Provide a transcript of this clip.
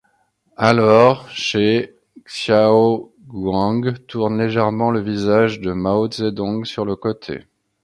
Alors Ge Xiaoguang tourne légèrement le visage de Mao Zedong sur le côté.